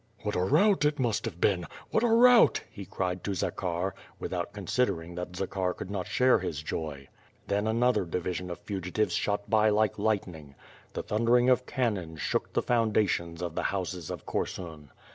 "What a rout it must have been! What a rout!" he cried to Zakhar without considering that Zakhar could not share his joy. Then another division of fugitives shot by like lightning. The thundering of cannon shook the foundations of the houses of Korsun.